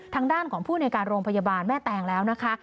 ทางด้านของผู้ในการโรงพยาบาลแม่แตงแล้วนะคะ